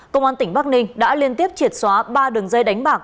công an tỉnh bắc ninh đã liên tiếp triệt xóa ba đường dây đánh bạc